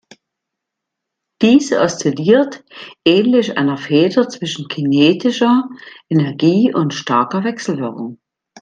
Diese oszilliert ähnlich einer Feder zwischen kinetischer Energie und starker Wechselwirkung.